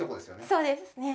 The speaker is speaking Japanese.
そうですね。